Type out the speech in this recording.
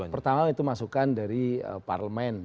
pertama itu masukkan dari parlement